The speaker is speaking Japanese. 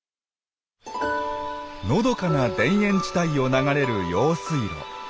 のどかな田園地帯を流れる用水路。